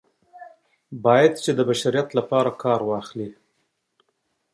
باید چې د بشریت لپاره کار واخلي.